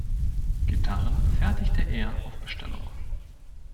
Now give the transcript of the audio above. Gitarren fertigte er auf Bestellung.